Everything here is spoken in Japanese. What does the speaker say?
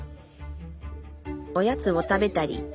おやつを食べたり。